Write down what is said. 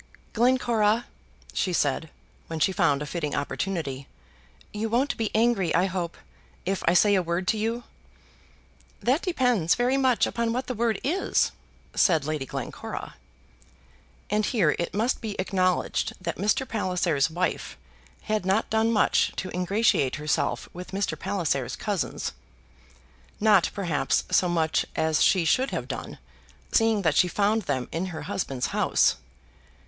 "Glencora," she said, when she found a fitting opportunity, "you won't be angry, I hope, if I say a word to you?" "That depends very much upon what the word is," said Lady Glencora. And here it must be acknowledged that Mr. Palliser's wife had not done much to ingratiate herself with Mr. Palliser's cousins; not perhaps so much as she should have done, seeing that she found them in her husband's house.